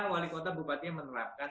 wali kota bupati yang menerapkan